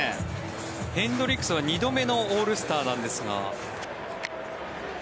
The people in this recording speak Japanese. ヘンドリックスは２度目のオールスターなんですが。